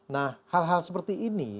nah hal hal seperti ini